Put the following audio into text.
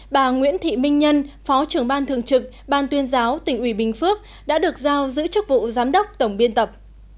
bà nguyễn thị minh nhân phó trưởng ban thường trực ban tuyên giáo tỉnh ủy bình phước đã được giao giữ chức vụ giám đốc tổng biên tập